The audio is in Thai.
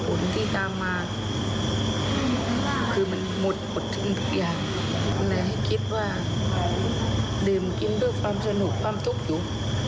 ผลที่ตามมาคือมันหมดหมดทุกอย่างเลยให้คิดว่าดื่มกินด้วยความสนุกความทุกข์อยู่